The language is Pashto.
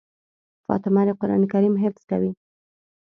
فاطمه د قرآن کريم حفظ کوي.